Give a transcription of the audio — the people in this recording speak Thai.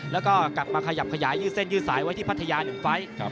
แล้วก็กลับมาขยับขยายยืดเส้นยืดสายไว้ที่พัทยา๑ไฟล์